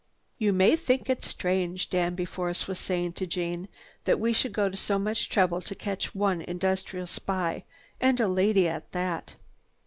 "You may think it strange," Danby was saying to Jeanne, "that we should go to so much trouble to catch one industrial spy, and a lady at that."